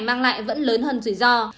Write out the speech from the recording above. mang lại vẫn lớn hơn rủi ro